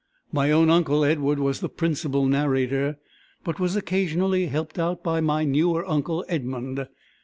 My own uncle, Edward, was the principal narrator, but was occasionally helped out by my newer uncle, Edmund.